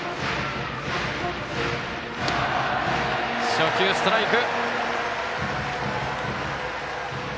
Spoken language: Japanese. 初球、ストライク。